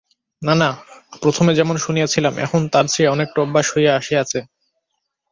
না না, প্রথমে যেমন শুনিয়াছিলাম, এখন তার চেয়ে অনেকটা অভ্যাস হইয়া আসিয়াছে।